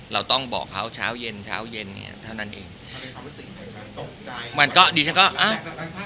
เราต้องบอกเขาเช้าเย็นเช้าเย็นเนี้ยเท่านั้นเองตกใจมันก็ดิฉันก็อ้าว